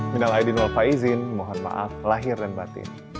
minal aydin walfaizin mohon maaf lahir dan batin